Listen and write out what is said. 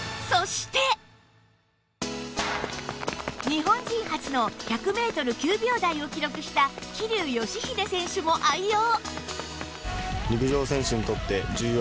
日本人初の１００メートル９秒台を記録した桐生祥秀選手も愛用